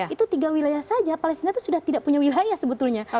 itu tiga wilayah saja palestina itu sudah tidak punya wilayah sebetulnya